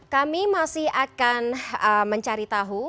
kami masih akan mencari tahu